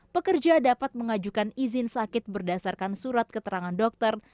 pekerja dapat mengajukan izin sakit berdasarkan surat keterangan dokter